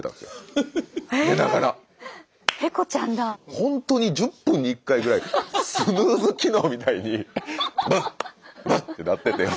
ほんとに１０分に１回ぐらいスヌーズ機能みたいにブッブッて鳴ってて。